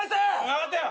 分かったよ